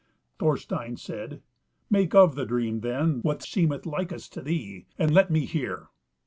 Thorstein said, "Make of the dream, then, what seemeth likest to thee, and let me hear."